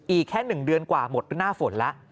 อีกแค่๑เดือนกว่าหมดหน้าฝนแล้ว